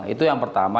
itu yang pertama